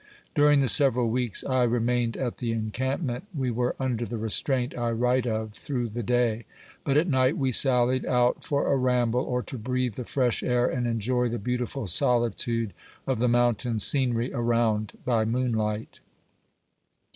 During the several weeks I remained at the encampment, we were under the restraint I write of through the day 5 but at night, we sallied out for a ramble, or to breathe the fresh air and enjoy the beautiful solitude of the mountain scenery around, by moonlight.